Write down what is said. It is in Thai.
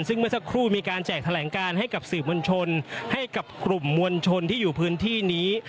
ซึ่งเมื่อสักครู่มีการแจกแถลงการให้กับสื่อมวลชนให้กับกลุ่มมวลชนที่อยู่พื้นที่นี้